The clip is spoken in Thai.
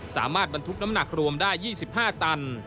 สามารถบรรทุกน้ำหนักรวมได้๒๕ตัน